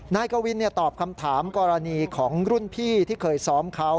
นายกวินตอบคำถามกรณีของรุ่นพี่ที่เคยซ้อมเขา